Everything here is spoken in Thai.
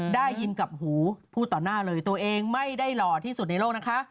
ได้ยินกับหูพูดต่อหน้าเลยตัวเองไม่ได้หล่อที่สุดในโลกนะคะ